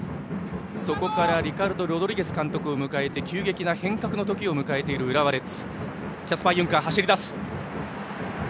そこからリカルド・ロドリゲス監督を迎え急激な変革のときを迎えている浦和レッズ。